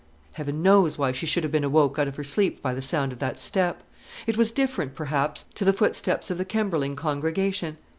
Heaven knows why she should have been awoke out of her sleep by the sound of that step. It was different, perhaps, to the footsteps of the Kemberling congregation.